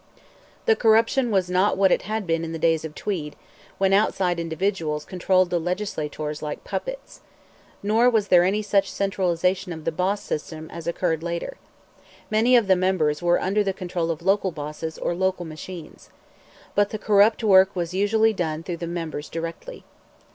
The corruption was not what it had been in the days of Tweed, when outside individuals controlled the legislators like puppets. Nor was there any such centralization of the boss system as occurred later. Many of the members were under the control of local bosses or local machines. But the corrupt work was usually done through the members directly.